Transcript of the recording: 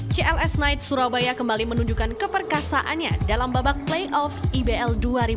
cls knight surabaya kembali menunjukkan keperkasaannya dalam babak playoff ibl dua ribu dua puluh